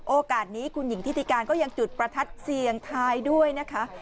โอกาสนี้คุณหญิงทิติการก็ยังจุดประทัดเสียงทายด้วยนะคะ